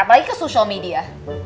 apalagi ke social media